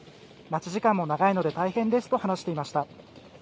待ち時間も長いので大変ですと話していました。